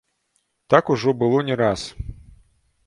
Так ужо было не раз.